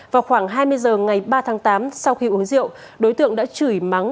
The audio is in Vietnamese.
vào khoảng hai mươi h ngày ba tháng tám sau khi uống rượu đối tượng đã chửi mắng